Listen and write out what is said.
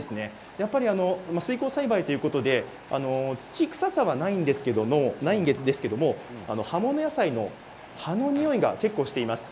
やっぱり水耕栽培ということで土臭さはないんですけれど葉物野菜の葉のにおいが結構しています。